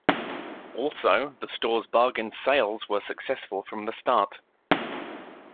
Also the store's bargain sales were successful from the start.